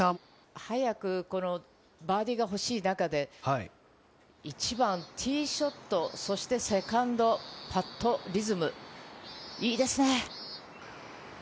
早くバーディーが欲しい中で、一番ティーショット、そしてセカンド、パット、リズムいいですね。